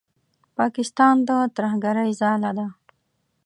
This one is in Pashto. پاکستان د ترهګرۍ ځاله ده.